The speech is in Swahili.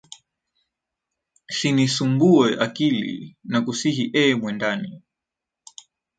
Sinisumbuwe akili, nakusihi e mwendani,